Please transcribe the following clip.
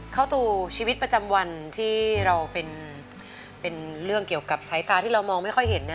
เข้าสู่ชีวิตประจำวันที่เราเป็นเรื่องเกี่ยวกับสายตาที่เรามองไม่ค่อยเห็น